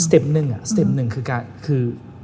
สเต๊ปหนึ่งอะสเต๊ปหนึ่งคือ